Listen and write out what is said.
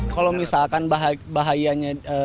kalau misalkan bahayanya